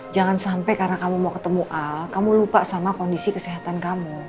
jangan sampai karena kamu mau ketemu a kamu lupa sama kondisi kesehatan kamu